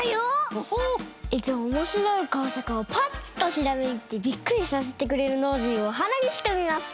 いつもおもしろいこうさくをパッとひらめいてびっくりさせてくれるノージーをおはなにしてみました。